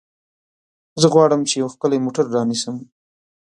زه غواړم چې یو ښکلی موټر رانیسم.